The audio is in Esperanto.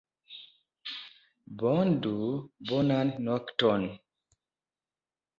Bone do, bonan nokton!